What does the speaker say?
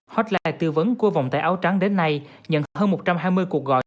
hotline tư vấn của vòng tay áo trắng đến nay nhận hơn một trăm hai mươi cuộc gọi